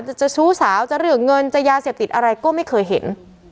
จะชู้สาวจะเรื่องเงินจะยาเสพติดอะไรก็ไม่เคยเห็น